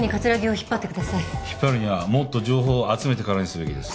引っ張るにはもっと情報を集めてからにすべきです。